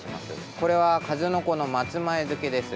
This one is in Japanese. これは、かずのこの松前漬けです。